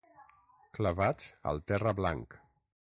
Clavats al terra blanc.